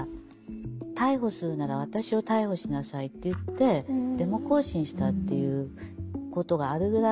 逮捕するなら私を逮捕しなさいって言ってデモ行進したっていうことがあるぐらい。